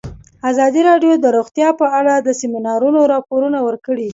ازادي راډیو د روغتیا په اړه د سیمینارونو راپورونه ورکړي.